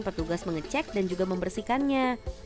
secara rutin petugas mengecek dan juga membersihkannya